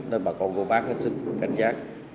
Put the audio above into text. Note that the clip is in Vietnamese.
nên bà con cô bác hãy xin cảnh giác